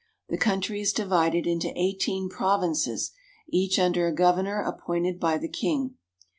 The country is divided into eighteen provinces, each under a governor appointed by the king.